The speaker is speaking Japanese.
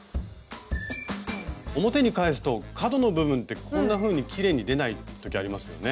表に返すと角の部分ってこんなふうにきれいに出ない時ありますよね。